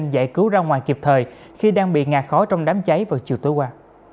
giải cứu ra ngoài kịp thời khi đang bị ngạt khó trong đám cháy vào chiều tối qua